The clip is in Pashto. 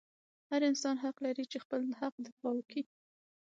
هر انسان حق لري چې خپل حق دفاع وکي